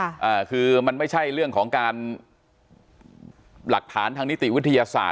อ่าคือมันไม่ใช่เรื่องของการหลักฐานทางนิติวิทยาศาสต